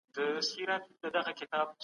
د ازاد بازار سیستم هم خپلې ستونزي لري.